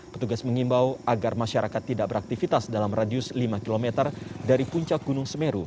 petugas mengimbau agar masyarakat tidak beraktivitas dalam radius lima km dari puncak gunung semeru